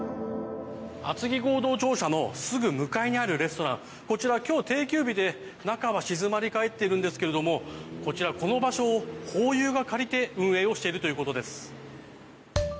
厚木合同庁舎のすぐ向かいにあるレストランこちら、今日定休日で中は静まり返っているんですけれどこちら、この場所をホーユーが借りて運営をしているということです。